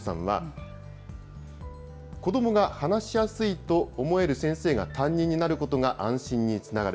校長の井上博詞さんは、子どもが話しやすいと思える先生が担任になることが安心につながる。